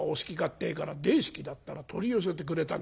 ってえから『大好きだ』ったら取り寄せてくれたんだ。